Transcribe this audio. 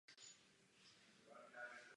V pondělí toto prohlášení nepřednesl.